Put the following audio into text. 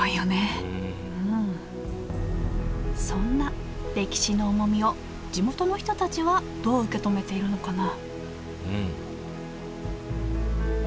うんそんな歴史の重みを地元の人たちはどう受け止めているのかな？